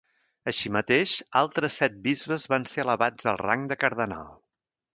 Així mateix, altres set bisbes van ser elevats al rang de cardenal.